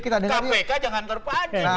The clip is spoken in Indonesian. kpk jangan terpancu